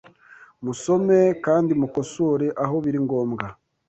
Musome kandi mukosore aho biri ngombwa